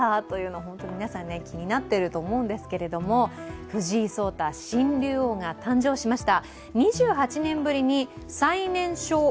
本当に皆さん気になっていると思うんですけれども藤井聡太新竜王が誕生しました。